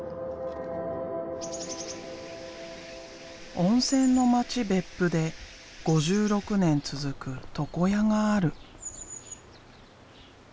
温泉の町別府で５６年続く床屋がある。